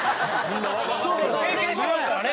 経験してますからね。